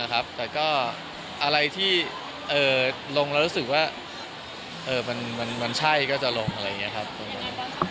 แต่ก็อะไรที่ลงแล้วรู้สึกว่ามันใช่ก็จะลงอะไรอย่างนี้ครับตรงนั้น